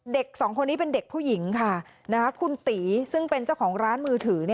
เด็กสองคนนี้เป็นเด็กผู้หญิงค่ะคุณตีซึ่งเป็นเจ้าของร้านมือถือ